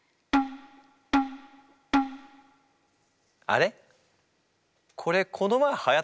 あれ？